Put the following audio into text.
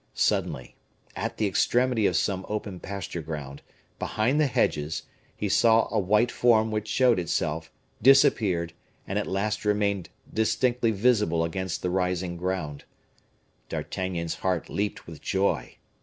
Suddenly, at the extremity of some open pasture ground, behind the hedges, he saw a white form which showed itself, disappeared, and at last remained distinctly visible against the rising ground. D'Artagnan's heart leaped with joy.